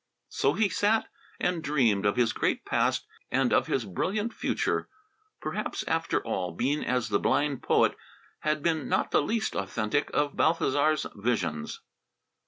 So he sat and dreamed of his great past and of his brilliant future. Perhaps, after all, Bean as the blind poet had been not the least authentic of Balthasar's visions.